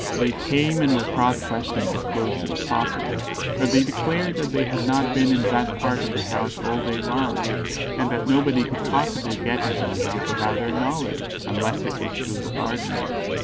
They came, and were cross questioned as closely as possible, but they declared that they had not been in that part of the house all day long, and that nobody could possibly get into the house without their knowledge, unless it was through the garden.